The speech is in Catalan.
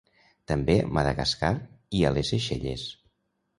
També a Madagascar i a les Seychelles.